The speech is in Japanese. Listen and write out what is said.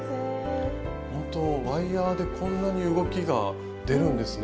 本当ワイヤーでこんなに動きが出るんですね。